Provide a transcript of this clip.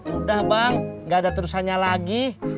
udah bang gak ada terusannya lagi